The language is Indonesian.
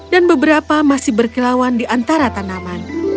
dan beberapa masih berkilauan di antara tanaman